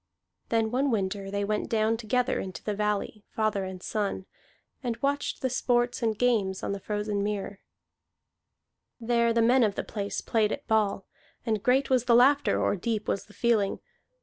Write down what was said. Then one winter they went down together into the valley, father and son, and watched the sports and games on the frozen mere. There the men of the place played at ball, and great was the laughter or deep was the feeling.